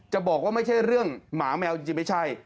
บอกว่าไม่ใช่เรื่องหมาแมวจริงไม่ใช่